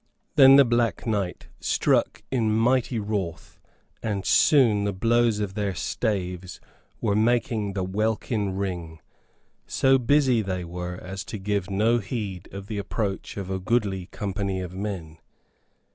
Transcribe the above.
Then the Black Knight struck in mighty wrath, and soon the blows of their staves were making the welkin ring. So busy they were as to give no heed of the approach of a goodly company of men.